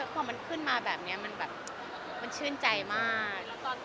ความมันขึ้นมาแบบนี้มันชื่นใจมาก